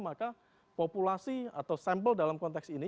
maka populasi atau sampel dalam konteks ini